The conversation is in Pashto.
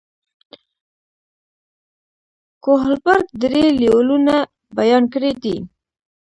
کوهلبرګ درې لیولونه بیان کړي دي.